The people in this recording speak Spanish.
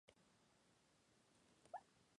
Fisuras y grietas de rocas y muros húmedos y sombríos.